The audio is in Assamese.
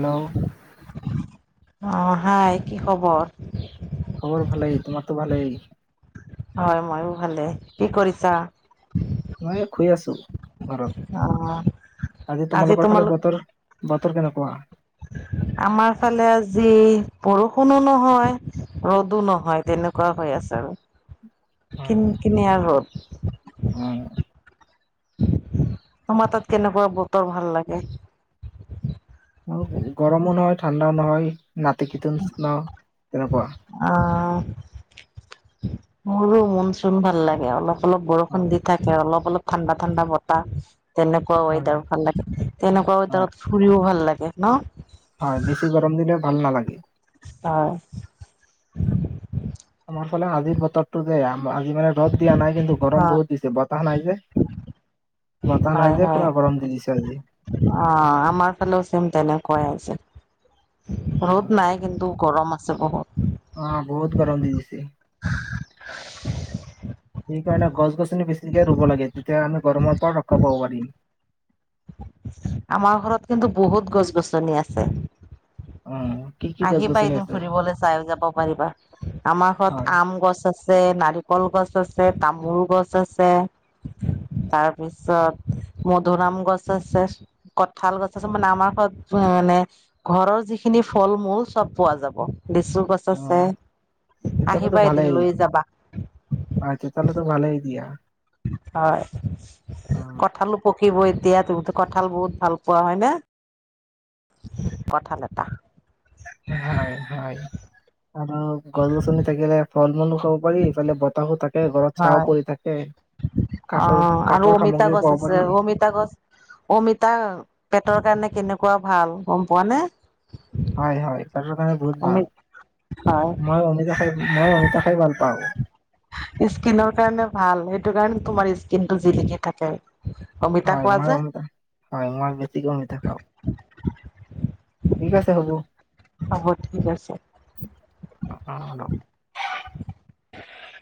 হেল্ল' অ হাই কি খবৰ খবৰ ভালেই তোমাৰো ভালেই হয় ময়ো ভালে কি কৰিছা মই শুই আছোঁ অ ঘৰত আজি তোমাল কৈ ফালে বতৰ বতৰ কেনেকুৱা যি বৰষুণো নহয় ৰ'দো নহয় তেনেকুৱা হৈ আছে আৰু কিন কিনে আৰু হল উম আমাৰ তাত কেনেকুৱা বতৰ ভাল লাগে আৰু গৰমো নহয় ঠাণ্ডাও নহয় নাতিশীতোষ্ণ তেনেকুৱা অ মোৰো মন চোন ভাল লাগে অলপ অলপ বৰষুণ হয় দি থাকে অলপ অলপ ঠাণ্ডা ঠাণ্ডা বতাহ তেনেকুৱা হয় ৱেডাৰ ভাল লাগে তেনেকুৱা হয় ৱেডাৰত ফুৰিও ভাল লাগে এ ন হয় বেছি গৰম দিলে ভাল নালাগে হয় আমাৰ ফালে আজিৰ বতৰটো বেয়া আজি মানে ৰ'দ দিয়া নাই কিন্তু গৰম হয় বহুত দিছে বতাহ নাই যে বতাহ হয় নাই যে হয় পুৰা গৰম দি দিছে আজি অ আমাৰ ফালেও চেম তেনেকুৱাই আছে ৰ'ত নাই কিন্তু গৰম চব অ বহুত গৰম দি দিছে [unintelligible] সেইকাৰণে গছ গছনি বেছিকে ৰুব লাগে তেতিয়া আমি গৰমৰ পৰা ৰক্ষা পাব পাৰিম আমাৰ ঘৰত কিন্তু বহুত গছ গছনি আছে উম আহিবা এদম ফুৰিবলৈ চাই যাব পাৰিবা আমাৰ ঘৰত হয় আম গছ আছে আছে নাৰিকল গছ আছে তামোল গছ আছে তাৰপিছত মধুুৰম গছ আছে কঠাল গছ আছে মানে আমাৰ ঘৰত মানে ঘৰৰ যিখিনি ফল-মূল চব পোৱা যাব। লিচু গছ আছে অ', চতালতো আহিবা এদিন ভালেই, লৈ যাবা। চতালতো ভালেই দিয়া। হয় অ [unintelligible] এতিয়া তুমিটো কঁঠাল বহুত ভাল পোৱা হয় নে? কঠাল এটা হয়, হয়। আৰু গছ -গছনি থাকিলে ফল- মূলু [unintelligible] পাৰি ইফালে বতাহো থাকে, ঘৰত চা ও হয়। পৰি থাকে। কাঠৰ অ', আৰু কাঠৰ অমিতা সামগ্ৰীও গছ পাব আছে, পাৰি অমিতা গছ, অমিতা পেটৰ [unintelligible] কাৰণে কেনেকুৱা ভাল গম পোৱা নে? হয়, হয় তাৰ কাৰণে বহুত অমি ভাল। হয় মই অমিতা খাই, মই অমিতা খাই ভাল পাওঁ। স্কিনৰ কাৰণে ভাল, সেইটো কাৰণে তোমাৰ স্কিন টো জিলিকি থাকে। অমিতা হয়', খোৱা যে মই- হয় মই বেছিকৈ নেদেখাও ঠিক আছে হ'ব। হ'ব ঠিক আছে। আহ', - হ', হলো [inaudible]